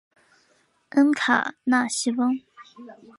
恩卡纳西翁。